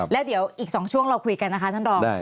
แล้วเดี๋ยวอีก๒ช่วงเราคุยกันนะคะท่านรอง